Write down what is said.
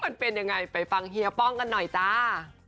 มันเป็นยังไงไปฟังเฮียป้องกันหน่อยจ้า